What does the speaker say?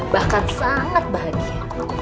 bahkan sangat bahagia